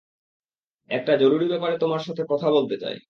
একটা জরুরি ব্যাপারে তোমার সাথে কথা বলতে চাই।